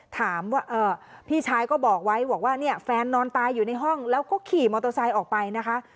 ถามว่าพี่ชายก็บอกไว้บอกว่าเนี่ยแฟนนอนตายอยู่ในห้องแล้วก็ขี่มอเตอร์ไซค์ออกไปนะคะ